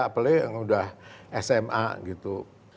apalagi yang udah sma gitu